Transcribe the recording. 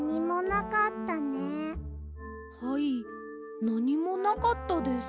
はいなにもなかったです。